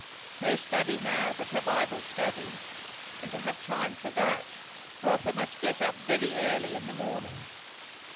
No study now but her Bible study; and to have time for that, Rotha must get up very early in the morning.